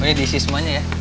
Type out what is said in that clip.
oh ini diisi semuanya ya